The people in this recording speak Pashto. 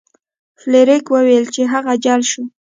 فلیریک وویل چې هغه جل شو.